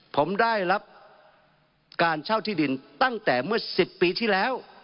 ผมได้รับการเช่าที่ดินตั้งแต่เมื่อ๑๐ปีที่แล้ว